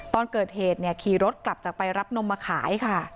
ตอนเกิดเหตุขี่รถกลับจากไปรับนมมาขายค่ะ